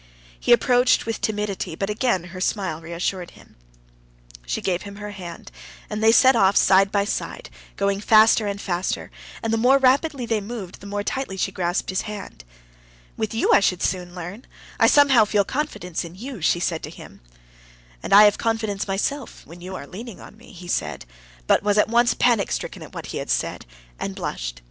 He approached with timidity, but again her smile reassured him. She gave him her hand, and they set off side by side, going faster and faster, and the more rapidly they moved the more tightly she grasped his hand. "With you I should soon learn; I somehow feel confidence in you," she said to him. "And I have confidence in myself when you are leaning on me," he said, but was at once panic stricken at what he had said, and blushed.